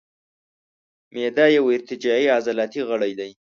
معده یو ارتجاعي عضلاتي غړی دی.